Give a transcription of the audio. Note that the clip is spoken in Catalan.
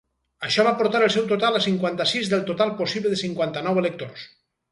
Això va portar el seu total a cinquanta-sis del total possible de cinquanta-nou electors.